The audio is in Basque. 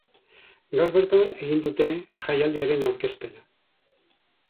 Gaur bertan egin dute jaialdiaren aurkezpena.